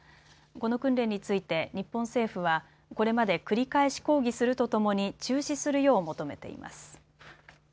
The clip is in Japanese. この訓練について日本政府はこれまで繰り返し抗議するとともに中止するよう求めています。